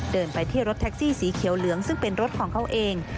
เดินไปที่รถแท็กซี่สีเขียวเหลืองซึ่งเป็นรถของเขาเอง